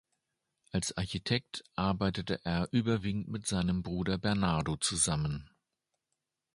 Als Architekt arbeitete er überwiegend mit seinem Bruder Bernardo zusammen.